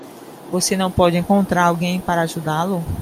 Você não pode encontrar alguém para ajudá-lo.